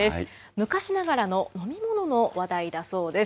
昔ながらの飲み物の話題だそうです。